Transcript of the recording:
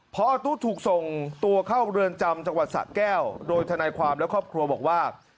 พอตู้ถูกส่งตัวเข้าเรือนจำจังหวัดสะแก้วโดยทนายความและครอบครัวบอกว่า